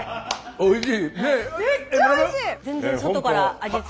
おいしい。